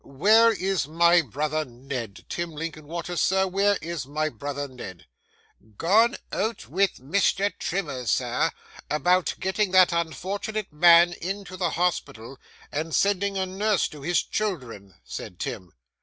Where is my brother Ned? Tim Linkinwater, sir, where is my brother Ned?' 'Gone out with Mr. Trimmers, about getting that unfortunate man into the hospital, and sending a nurse to his children,' said Tim.